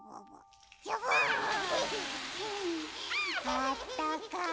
あったかい。